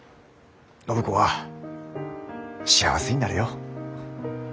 暢子は幸せになれよ。